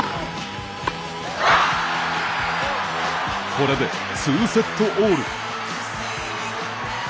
これで、２セットオール。